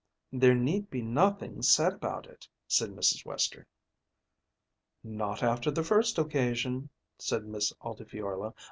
"There need be nothing said about it," said Mrs. Western. "Not after the first occasion," said Miss Altifiorla.